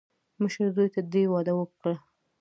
مشر زوی ته دې واده وکړه.